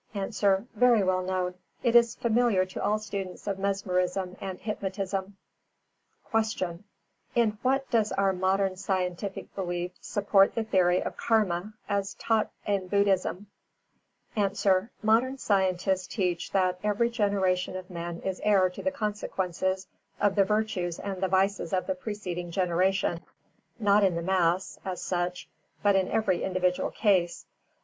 _ A. Very well known; it is familiar to all students of mesmerism and hypnotism. 361. Q. In what does our modern scientific belief support the theory of Karma, as taught in Buddhism? A. Modern scientists teach that every generation of men is heir to the consequences of the virtues and the vices of the preceding generation, not in the mass, as such, but in every individual case.